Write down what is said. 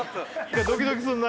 ドキドキすんな